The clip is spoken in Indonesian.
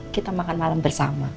kita makan malam bersama